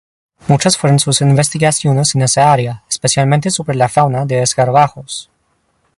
Muchas fueron sus investigaciones en esa área, especialmente sobre la fauna de escarabajos.